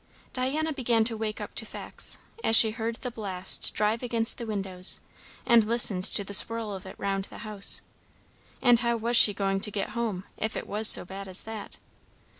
Diana began to wake up to facts, as she heard the blast drive against the windows, and listened to the swirl of it round the house. And how was she going to get home, if it was so bad as that?